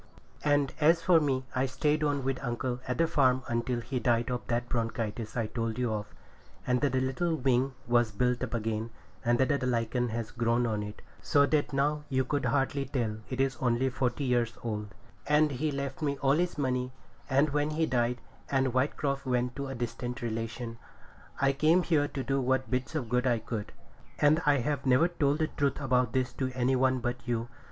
And as for me, I stayed on with uncle at the farm until he died of that bronchitis I told you of, and the little wing was built up again, and the lichen has grown on it, so that now you could hardly tell it is only forty years old; and he left me all his money, and when he died, and Whitecroft went to a distant relation, I came here to do what bits of good I could. And I have never told the truth about this to any one but you.